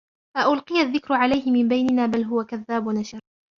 أَؤُلْقِيَ الذِّكْرُ عَلَيْهِ مِن بَيْنِنَا بَلْ هُوَ كَذَّابٌ أَشِرٌ